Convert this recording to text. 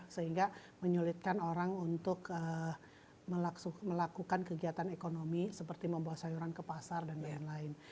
sehingga menyulitkan orang untuk melakukan kegiatan ekonomi seperti membawa sayuran ke pasar dan lain lain